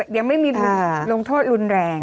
ยังไม่มีผลลงโทษรุนแรง